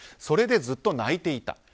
それでずっと泣いていた。